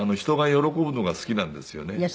人が喜ぶのが好きなんですよね。